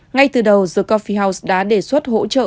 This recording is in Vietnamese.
ngay từ đầu the cophi house đã đề xuất hỗ trợ